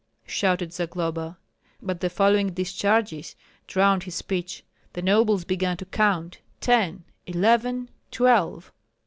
shouted Zagloba. But the following discharges drowned his speech. The nobles began to count: "Ten, eleven, twelve!"